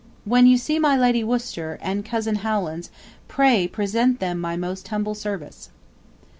When you see my Lady Worster & cozen Howlands pray present thm my most humble service.'